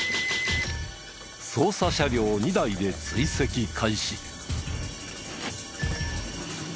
捜査車両２台で追跡開始。